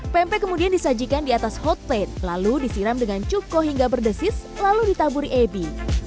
pempek kemudian disajikan di atas hot plate lalu disiram dengan cuko hingga berdesis lalu ditaburi ebi